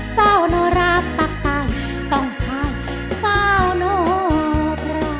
เซาโนราตักตายต้องหายเซาโนรา